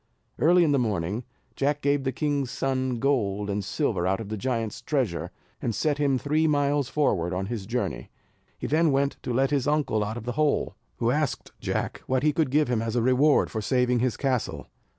Early in the morning, Jack gave the king's son gold and silver out of the giant's treasure, and set him three miles forward on his journey. He then went to let his uncle out of the hole, who asked Jack what he should give him as a reward for saving his castle.